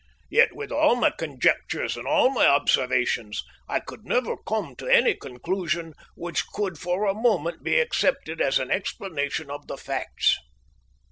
Yet, with all my conjectures and all my observations, I could never come to any conclusion which could for a moment be accepted as an explanation of the facts.